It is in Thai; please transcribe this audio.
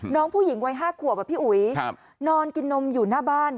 น้องผู้หญิงวัย๕ขวบอะพี่อุ๋ยนอนกินนมอยู่หน้าบ้าน